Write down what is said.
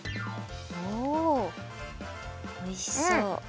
おおいしそう。